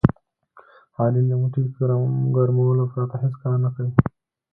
علي له موټي ګرمولو پرته هېڅ کار نه کوي.